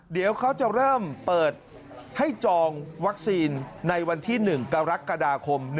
เดี๋ยวเขาจะเริ่มเปิดให้จองวัคซีนในวันที่๑กรกฎาคม